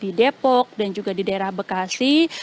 di depok dan juga di daerah bekasi